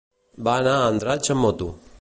Va anar a Andratx amb moto.